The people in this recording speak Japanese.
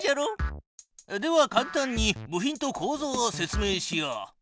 ではかん単に部品とこうぞうを説明しよう。